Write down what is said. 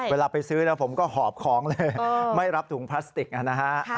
เวลาไปซื้อแล้วผมก็หอบของเลยไม่รับถุงพลาสติกนะฮะ